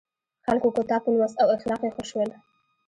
خلکو کتاب ولوست او اخلاق یې ښه شول.